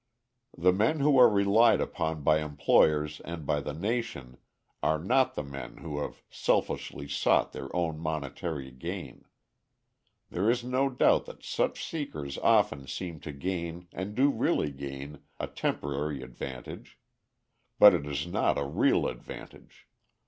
The men who are relied upon by employers and by the nation are not the men who have selfishly sought their own monetary gain. There is no doubt that such seekers often seem to gain and do really gain a temporary advantage; but it is not a real advantage.